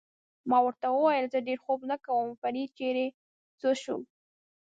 ما ورته وویل: زه ډېر خوب نه کوم، فرید چېرې څه شو؟